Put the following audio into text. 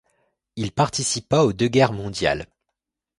Il participa aux deux guerres mondiales.